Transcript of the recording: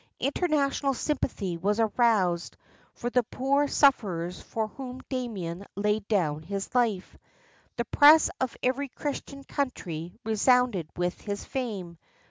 International sympathy was aroused for the poor sufferers for whom Damien laid down his Hfe. The press of every Christian country resounded with his fame.